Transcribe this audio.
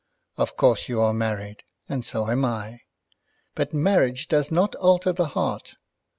Of course you are married, and so am I; but marriage does not alter the heart.